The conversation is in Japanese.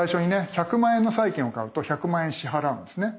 １００万円の債券を買うと１００万円支払うんですね。